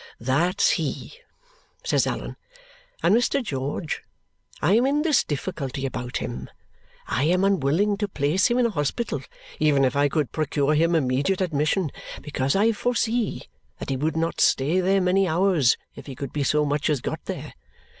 "That's he," says Allan. "And, Mr. George, I am in this difficulty about him. I am unwilling to place him in a hospital, even if I could procure him immediate admission, because I foresee that he would not stay there many hours if he could be so much as got there.